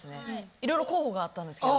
いろいろ候補があったんですけど。